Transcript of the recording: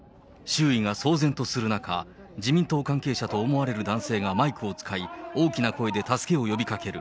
周囲が騒然とする中、自民党関係者と思われる男性がマイクを使い、大きな声で助けを呼びかける。